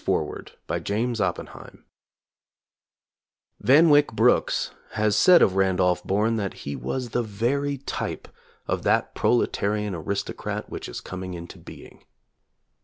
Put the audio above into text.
A565667 EDITOR'S FOREWORD Van Wyck Brooks has said of Randolph Bourne that he was the very type of that proletarian aris tocrat which is coming into being.